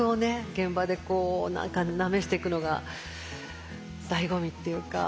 現場でこう何かなめしていくのがだいご味っていうか。